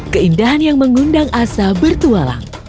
keindahan yang mengundang asa bertualang